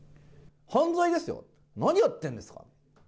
犯罪ですよ、何やってるんですか。